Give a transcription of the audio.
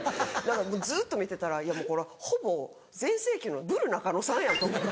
ずっと見てたらこれほぼ全盛期のブル中野さんやんと思って。